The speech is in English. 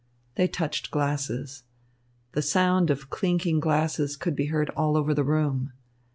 They touched glasses. The sound of clinking glasses could be heard all over the room.